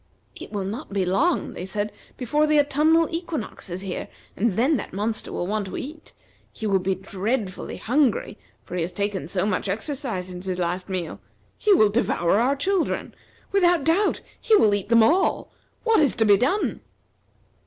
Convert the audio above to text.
"It will not be long," they said, "before the autumnal equinox is here, and then that monster will want to eat. He will be dreadfully hungry, for he has taken so much exercise since his last meal. He will devour our children. Without doubt, he will eat them all. What is to be done?"